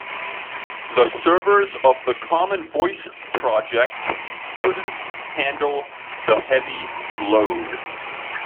The servers of the common voice project couldn't handle the heavy load.